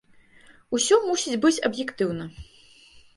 Усё мусіць быць аб'ектыўна.